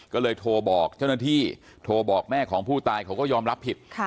ก็เลยโทรบอกเจ้าหน้าที่โทรบอกแม่ของผู้ตายเขาก็ยอมรับผิด